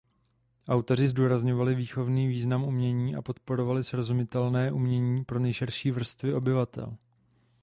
Autoři zdůrazňovali výchovný význam umění a podporovali srozumitelné umění pro nejširší vrstvy obyvatel.